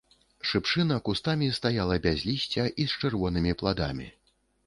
Шыпшына кустамі стаяла без лісця і з чырвонымі пладамі.